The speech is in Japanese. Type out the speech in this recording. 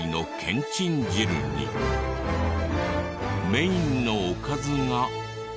メインのおかずが。